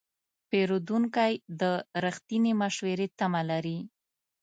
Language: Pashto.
پیرودونکی د رښتینې مشورې تمه لري.